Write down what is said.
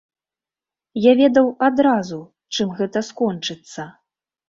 Я ведаў адразу, чым гэта скончыцца.